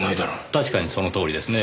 確かにそのとおりですね。